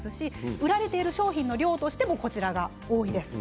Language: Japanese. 売られている商品の量としても毛髪用が多いです。